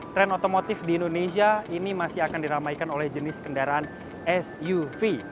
tren otomotif di indonesia ini masih akan diramaikan oleh jenis kendaraan suv